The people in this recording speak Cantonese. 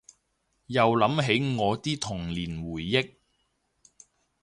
又諗起我啲童年回憶